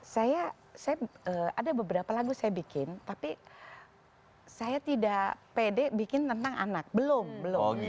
saya ada beberapa lagu saya bikin tapi saya tidak pede bikin tentang anak belum belum